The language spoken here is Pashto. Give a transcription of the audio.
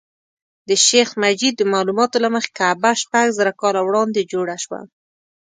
د شیخ مجید د معلوماتو له مخې کعبه شپږ زره کاله وړاندې جوړه شوه.